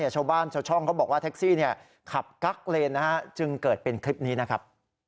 ชาวบ้านชาวช่องเขาบอกว่าแท็กซี่ขับกั๊กเลนจึงเกิดเป็นคลิปนี้นะครับ